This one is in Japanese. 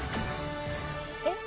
えっ？